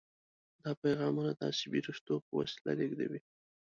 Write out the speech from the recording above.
دا پیغامونه د عصبي رشتو په وسیله لیږدوي.